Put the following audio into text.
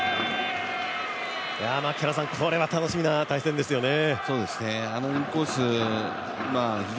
これは楽しみな対戦ですよね。